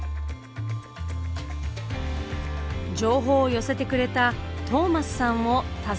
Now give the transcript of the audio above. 情報を寄せてくれたトーマスさんを訪ねました。